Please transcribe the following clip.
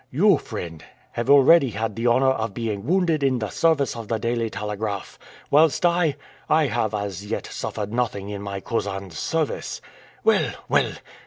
You, friend, have already had the honor of being wounded in the service of the Daily Telegraph, whilst I I have as yet suffered nothing in my cousin's service. Well, well!